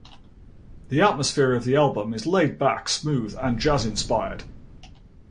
The atmosphere of the album is laidback, smooth, and jazz-inspired.